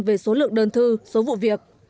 về số lượng đơn thư số vụ việc